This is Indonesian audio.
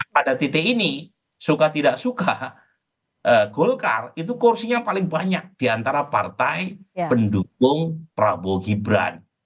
pada titik ini suka tidak suka golkar itu kursinya paling banyak diantara partai pendukung prabowo gibran